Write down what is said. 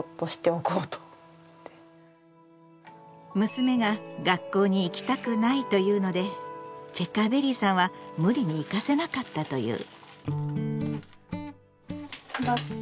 娘が「学校に行きたくない」と言うのでチェッカーベリーさんは無理に行かせなかったという。